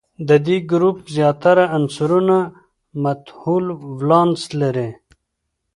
د دې ګروپ زیاتره عنصرونه متحول ولانس لري.